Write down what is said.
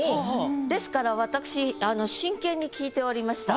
ですから私真剣に聞いておりました。